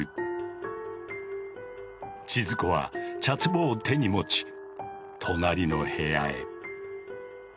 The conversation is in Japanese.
千鶴子は茶壺を手に持ち隣の部屋へ。